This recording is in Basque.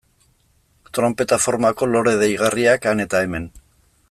Tronpeta formako lore deigarriak han eta hemen.